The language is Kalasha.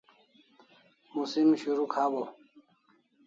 Musim shurukh hawaw